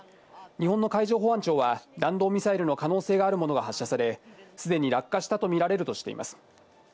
日本の海上保安庁は弾道ミサイルの可能性があるものが発射され、すでに落下したものとみられるとしています。